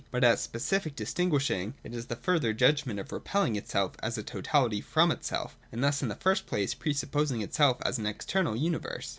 But, as specific distinguishing, it is the further judgment of repelling itself as a totahty from itself, and thus, in the first place, pre supposing itself as an external universe.